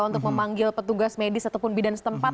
untuk memanggil petugas medis ataupun bidan setempat